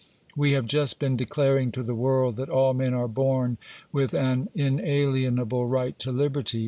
We have just been declaring to the world that all men are born with an inalienable right to liberty.